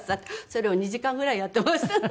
それを２時間ぐらいやっていましたね。